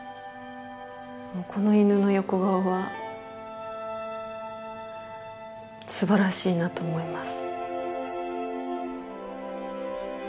この犬の横顔は素晴らしいなと思います。